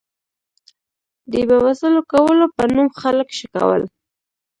د بې وسلو کولو په نوم خلک شکول.